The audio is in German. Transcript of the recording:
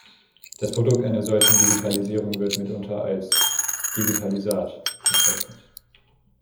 Das Produkt einer solchen Digitalisierung wird mitunter als "Digitalisat" bezeichnet.